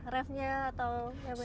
raff nya atau yang bapak